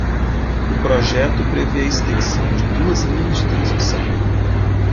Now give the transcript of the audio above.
O projeto prevê a extensão de duas linhas de transmissão